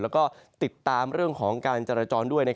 แล้วก็ติดตามเรื่องของการจราจรด้วย